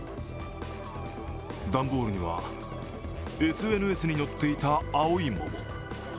段ボールには、ＳＮＳに載っていた青い桃。